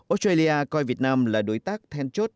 australia coi việt nam là đối tác then chốt